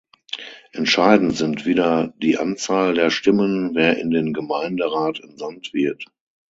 Entscheidend sind wieder die Anzahl der Stimmen, wer in den Gemeinderat entsandt wird.